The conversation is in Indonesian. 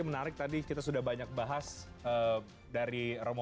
menarik tadi kita sudah banyak bahas dari romo